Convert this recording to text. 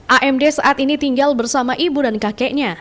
amd saat ini tinggal bersama ibu dan kakeknya